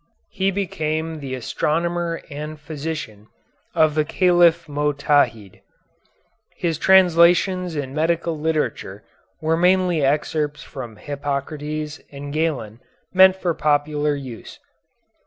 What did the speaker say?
He became the astronomer and physician of the Caliph Motadhid. His translations in medical literature were mainly excerpts from Hippocrates and Galen meant for popular use.